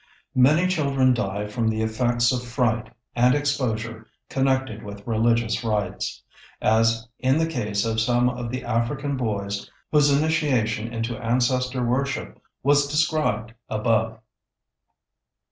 ] Many children die from the effects of fright and exposure connected with religious rites, as in the case of some of the African boys whose initiation into ancestor worship was described above.